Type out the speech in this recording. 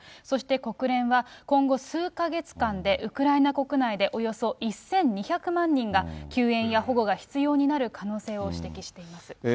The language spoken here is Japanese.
そして国連は、今後、数か月間でウクライナ国内でおよそ１２００万人が、救援や保護が必要になる可能性を指摘しています。